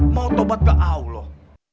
mau tobat ke allah